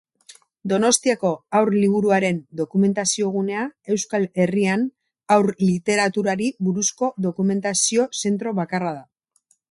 Donostiako Haur Liburuaren Dokumentaziogunea Euskal Herrian haur literaturari buruzko dokumentazio zentro bakarra da.